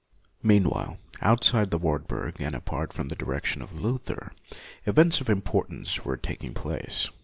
Meanwhile, outside the Wartburg, and apart from the direction of Luther, events of importance were taking place.